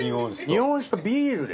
日本酒とビールで。